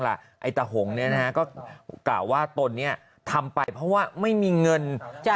ล่ะไอตะหงเนี่ยกล่าวว่าตนเนี้ยทำไปเพราะว่าไม่มีเงินจะ